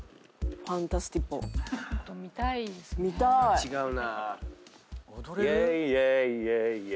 違うな。